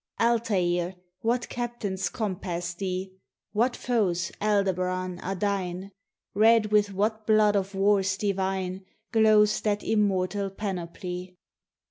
Altair, what captains compass thee? What foes, Aldebaran, are thine? Red with what blood of wars divine Glows that immortal panoply?